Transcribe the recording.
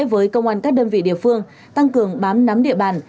với công an các đơn vị địa phương tăng cường bám nắm địa bàn